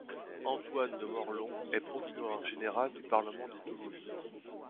Antoine de Morlhon est procureur général du parlement de Toulouse.